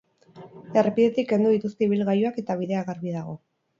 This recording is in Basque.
Errepidetik kendu dituzte ibilgailuak eta bidea garbi dago.